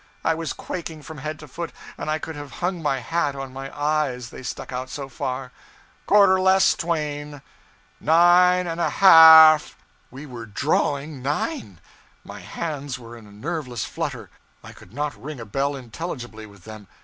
I was quaking from head to foot, and I could have hung my hat on my eyes, they stuck out so far. 'Quarter _less _twain! Nine and a half!' We were _drawing _nine! My hands were in a nerveless flutter. I could not ring a bell intelligibly with them.